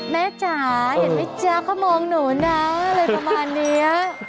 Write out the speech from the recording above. จ๋าเห็นไหมจ๊ะเขามองหนูนะอะไรประมาณนี้